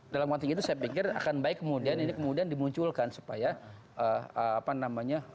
dalam konteks itu saya pikir akan baik kemudian ini kemudian dimunculkan supaya apa namanya